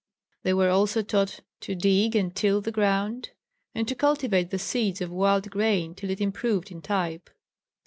They were also taught to dig and till the ground and to cultivate the seeds of wild grain till it improved in type.